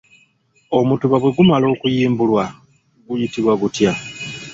Omutuba bwe gumala okuyimbulwa guyitibwa gutya?